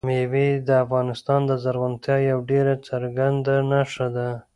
مېوې د افغانستان د زرغونتیا یوه ډېره څرګنده نښه ده.